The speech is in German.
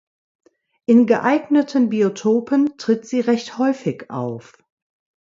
In geeigneten Biotopen tritt sie recht häufig auf.